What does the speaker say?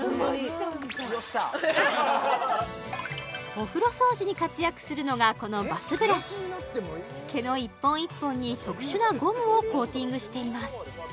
お風呂掃除に活躍するのがこのバスブラシ毛の１本１本に特殊なゴムをコーティングしています